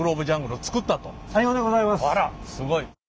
あらすごい。